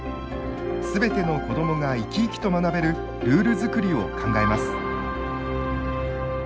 全ての子どもが生き生きと学べるルール作りを考えます。